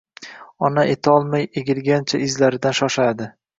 Ona etolmay, egilgancha izlaridan shoshadi